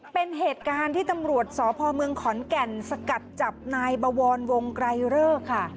เป็นเหตุการณ์ที่ตำรวจสพเมืองขอนแก่นสกัดจับนายบวรวงไกรเลิกค่ะ